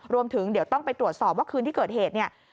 รวมถึงเดี๋ยวต้องไปตรวจสอบว่าคืนที่เกิดเหตุเนี่ย